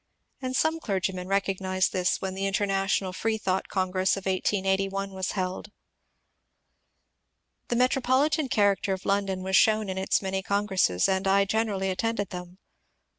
And some clergymen recognized this when the International Free thought Congress of 1881 was held. The metropolitan character of London was shown in its many congresses, and I generally attended them.